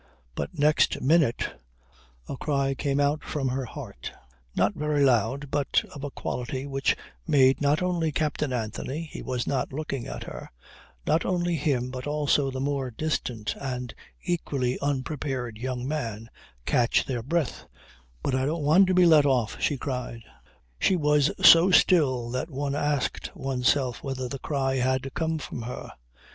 But next minute a cry came out from her heart, not very loud but of a quality which made not only Captain Anthony (he was not looking at her), not only him but also the more distant (and equally unprepared) young man, catch their breath: "But I don't want to be let off," she cried. She was so still that one asked oneself whether the cry had come from her.